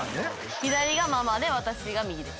左がママで私が右です。